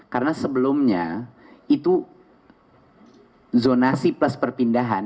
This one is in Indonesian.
karena sebelumnya itu zonasi plus perpindahan